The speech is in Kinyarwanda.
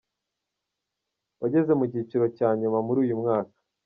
Wageze mu cyiciro cya nyuma muri uyu mwaka.